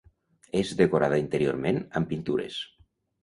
És decorada interiorment amb pintures.